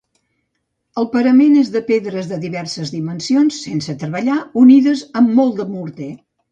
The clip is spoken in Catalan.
El parament és de pedres de diverses dimensions, sense treballar, unides amb molt de morter.